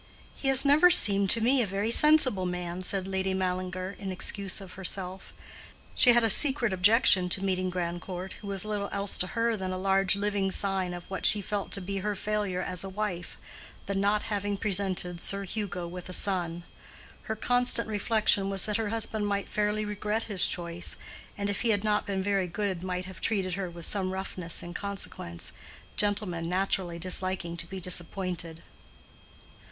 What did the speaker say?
"He has never seemed to me a very sensible man," said Lady Mallinger, in excuse of herself. She had a secret objection to meeting Grandcourt, who was little else to her than a large living sign of what she felt to be her failure as a wife—the not having presented Sir Hugo with a son. Her constant reflection was that her husband might fairly regret his choice, and if he had not been very good might have treated her with some roughness in consequence, gentlemen naturally disliking to be disappointed.